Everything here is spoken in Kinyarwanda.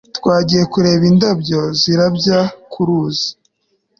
twagiye kureba indabyo zirabya kuruzi